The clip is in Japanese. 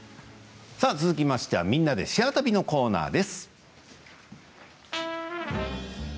続きましては「みんなでシェア旅」のコーナーです。